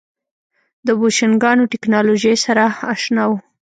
د بوشنګانو ټکنالوژۍ سره اشنا وو.